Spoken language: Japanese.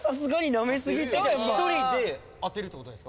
１人で当てるって事ですか？